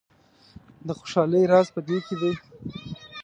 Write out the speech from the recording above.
د خوشحالۍ راز په دې کې دی.